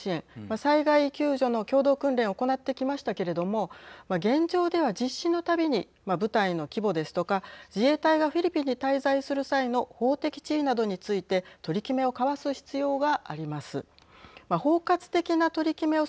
・災害救助の共同訓練を行ってきましたけれども現状では実施のたびに部隊の規模ですとか自衛隊がフィリピンに滞在する際の法的地位などについて取り決めを交わす必要があります。